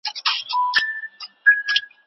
سګرېټ مه څښئ د روغتیا لپاره.